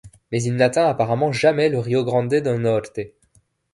Mais il n'atteint apparemment jamais le Rio Grande do Norte.